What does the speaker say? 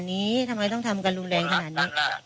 พี่หวันอยู่ในปากไหนผมรักเขามากพี่หวันอยู่ในปากไหน